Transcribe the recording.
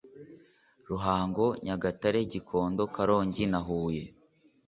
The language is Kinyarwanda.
Ruhango Nyagatare Gikondo Karongi na Huye